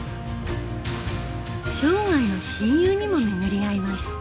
生涯の親友にも巡り合います。